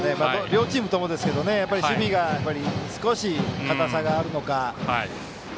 両チームともですけど守備が少し硬さがあるのか。